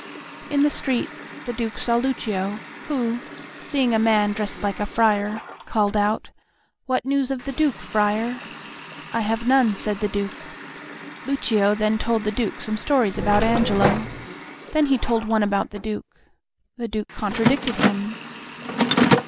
In the street the Duke saw Lucio, who, seeing a man dressed like a friar, called out, "What news of the Duke, friar?" "I have none," said the Duke. Lucio then told the Duke some stories about Angelo. Then he told one about the Duke. The Duke contradicted him.